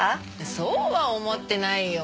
そうは思ってないよ。